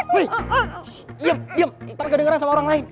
wih diam diam ntar gak dengeran sama orang lain